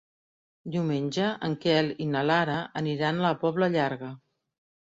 Diumenge en Quel i na Lara aniran a la Pobla Llarga.